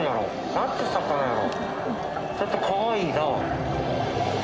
何て魚やろ。